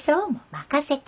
任せて。